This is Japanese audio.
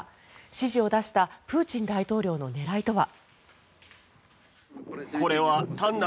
指示を出したプーチン大統領の狙いとは。